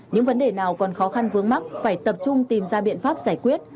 những vấn đề nào còn khó khăn vướng mắt phải tập trung tìm ra biện pháp giải quyết